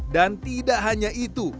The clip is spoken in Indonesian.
dan tidak hanya itu